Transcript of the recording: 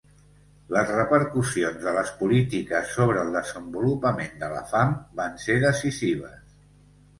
Les repercussions de les polítiques sobre el desenvolupament de la fam van ser decisives.